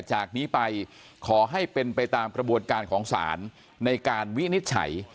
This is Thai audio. จากนี้ไปขอให้เป็นไปตามกระบวนการของศาลในการวินิจฉัย